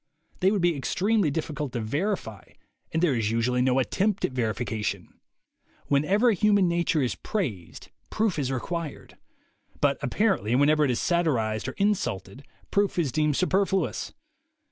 They would be extremely difficult to verify, and there is usually no attempt at verification. Whenever human nature is praised, proof is re quired; but apparently whenever it is satirized or insulted, proof is deemed superfluous.